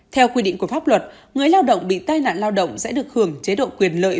theo quy định của pháp luật người lao động bị tai nạn lao động sẽ được hưởng chế độ quyền lợi